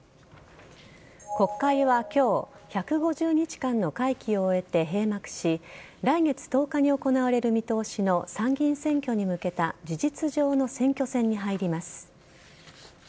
国会は今日１５０日間の会期を終えて閉幕し来月１０日に行われる見通しの参議院選挙に向けた事実上の選挙戦に入ります。